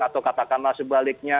atau katakanlah sebaliknya